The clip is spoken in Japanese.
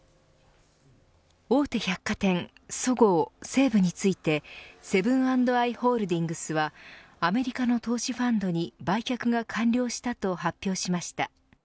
大手百貨店そごう・西武についてセブン＆アイ・ホールディングスはアメリカの投資ファンドに売却が完了したと発表しました。